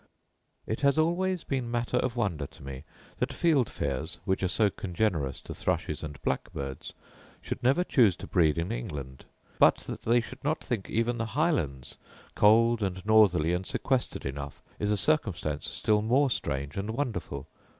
It has always been matter of wonder to me that field fares, which are so congenerous to thrushes and blackbirds, should never choose to breed in England: but that they should not think even the highlands cold and northerly, and sequestered enough, is a circumstance still more strange and wonderful.